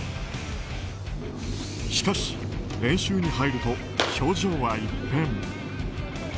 しかし練習に入ると表情は一変。